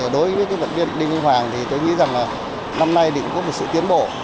đối với các vận động viên đinh anh hoàng thì tôi nghĩ rằng là năm nay cũng có một sự tiến bộ